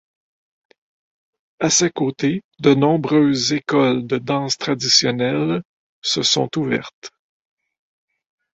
À ses côtés, de nombreuses écoles de danses traditionnelles se sont ouvertes.